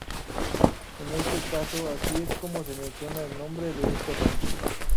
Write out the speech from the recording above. En este caso así es como se menciona el nombre de este rancho.